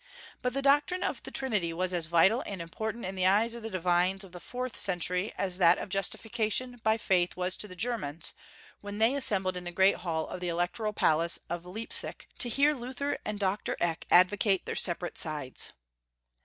But the doctrine of the Trinity was as vital and important in the eyes of the divines of the fourth century as that of Justification by Faith was to the Germans when they assembled in the great hall of the Electoral palace of Leipsic to hear Luther and Dr. Eck advocate their separate sides.